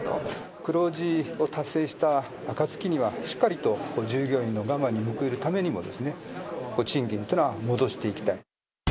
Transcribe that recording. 黒字を達成した暁には、しっかりと従業員の我慢に報いるためにも、賃金っていうのは戻していきたい。